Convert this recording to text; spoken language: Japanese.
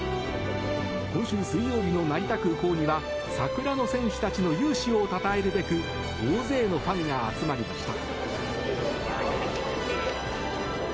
今週水曜日の成田空港には桜の戦士たちの雄姿をたたえるべく大勢のファンが集まりました。